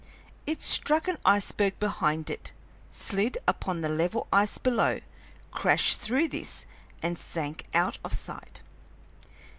It struck an iceberg behind it, slid upon the level ice below, crashed through this, and sank out of sight.